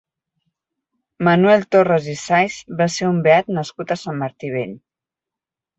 Manuel Torras i Sais va ser un beat nascut a Sant Martí Vell.